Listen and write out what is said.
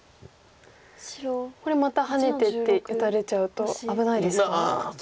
これまたハネてって打たれちゃうと危ないですか？